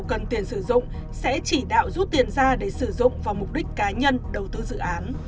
cần tiền sử dụng sẽ chỉ đạo rút tiền ra để sử dụng vào mục đích cá nhân đầu tư dự án